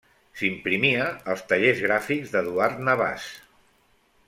S'imprimia als Tallers Gràfics d'Eduard Navàs.